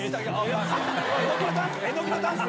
榎戸ダンス！